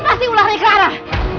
ini pasti ulangnya ke arah